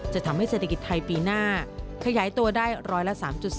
จะทำให้เศรษฐกิจไทยปีหน้าขยายตัวได้ร้อยละ๓๒